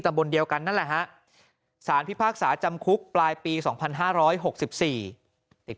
บนเดียวกันนั่นแหละฮะสารพิพากษาจำคุกปลายปี๒๕๖๔ติด